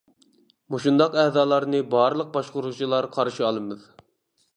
مۇشۇنداق ئەزالارنى بارلىق باشقۇرغۇچىلار قارشى ئالىمىز.